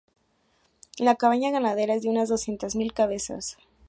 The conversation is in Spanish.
La cabaña ganadera es de unas doscientas mil cabezas.